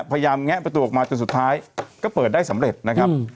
แงะประตูออกมาจนสุดท้ายก็เปิดได้สำเร็จนะครับ